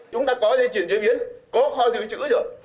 chúng ta có dây chuyển chế biến có kho dưới trữ rồi